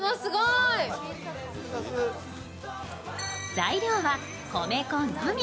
材料は米粉のみ。